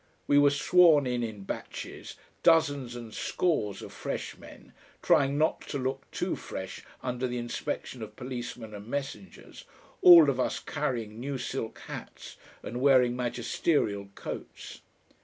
We were sworn in in batches, dozens and scores of fresh men, trying not to look too fresh under the inspection of policemen and messengers, all of us carrying new silk hats and wearing magisterial coats.